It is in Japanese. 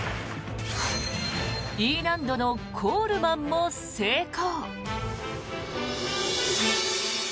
Ｅ難度のコールマンも成功。